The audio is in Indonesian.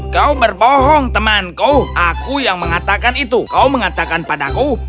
kau berbohong temanku aku yang mengatakan itu kau mengatakan padaku